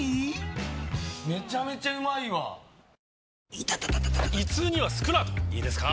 イタタ．．．胃痛にはスクラートいいですか？